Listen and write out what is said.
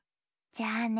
じゃあね